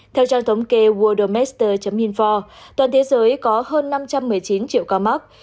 theo trang thống kê wordermester info toàn thế giới có hơn năm trăm một mươi chín triệu ca mắc